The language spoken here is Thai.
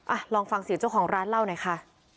อ่ะลองฟังเสียสิทธิ์จ้องของร้านเล่าหน่อยค่ะ